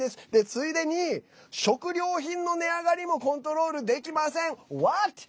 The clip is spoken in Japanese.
ついでに、食料品の値上がりもコントロールできません。